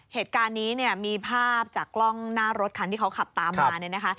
เหตุการณ์นี้มีภาพจากกล้องหน้ารถที่เขาขับตามมา